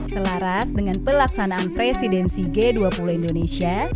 selaras dengan pelaksanaan presidensi g dua puluh indonesia